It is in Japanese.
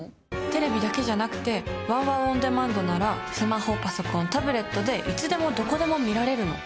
テレビだけじゃなくてＷＯＷＯＷオンデマンドならスマホパソコンタブレットでいつでもどこでも見られるの。